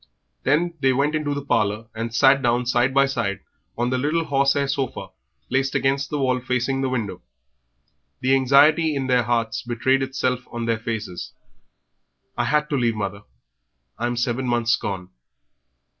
Then they went into the parlour and sat down side by side on the little horsehair sofa placed against the wall facing the window. The anxiety in their hearts betrayed itself on their faces. "I had to leave, mother. I'm seven months gone."